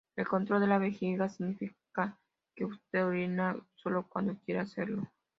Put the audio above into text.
El control de la vejiga significa que usted orina solo cuando quiere hacerlo.